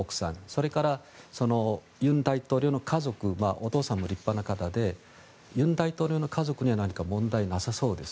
それから尹大統領の家族お父さんも立派な方で尹大統領の家族には何か問題がなさそうです。